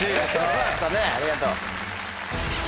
ありがとう。